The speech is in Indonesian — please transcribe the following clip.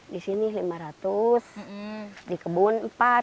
di sini lima ratus di kebun empat